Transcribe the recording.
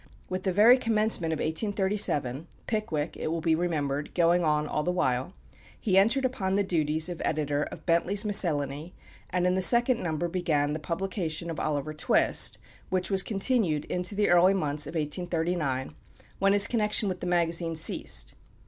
With the very commencement of 1837 "Pickwick," it will be remembered, going on all the while he entered upon the duties of editor of Bentley's Miscellany, and in the second number began the publication of "Oliver Twist," which was continued into the early months of 1839, when his connection with the magazine ceased.